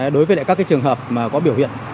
đối với các trường hợp có biểu hiện